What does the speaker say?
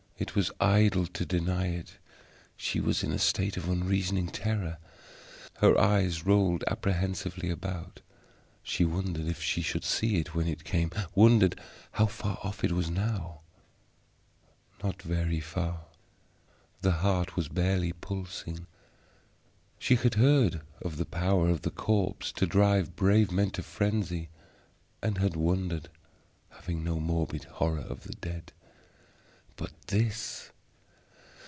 It was idle to deny it; she was in a state of unreasoning terror. Her eyes rolled apprehensively about; she wondered if she should see It when It came; wondered how far off It was now. Not very far; the heart was barely pulsing. She had heard of the power of the corpse to drive brave men to frenzy, and had wondered, having no morbid horror of the dead. But this!